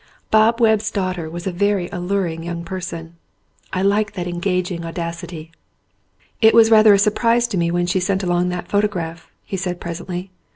Bob Webb's daughter was a very alluring young person. I liked that engaging audacity. "It was rather a surprise to me when she sent along that photograph," he said presently.